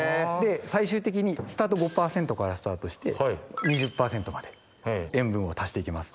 最終的に５％からスタートして２０％まで塩分を足して行きます。